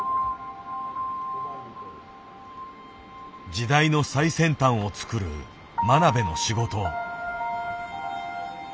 時代の最先端を作る真鍋の仕事。